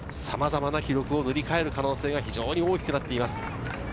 さまざまな記録を塗り替える可能性が非常に大きくなっています。